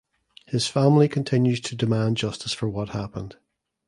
His family continues to demand justice for what happened.